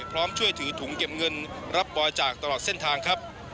พร้อมช่วยถือถุงเก็บเงินรับบริจาคตลอดเส้นทางครับ